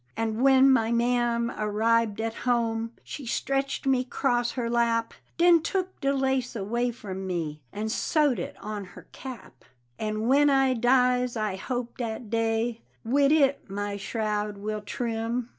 And when my ma'am arribed at home She stretched me 'cross her lap, Den took de lace away from me An' sewed it on her cap. And when I dies I hope dat dey Wid it my shroud will trim.